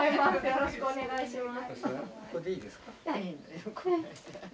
よろしくお願いします。